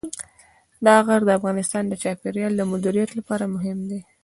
دا غر د افغانستان د چاپیریال د مدیریت لپاره مهم دی.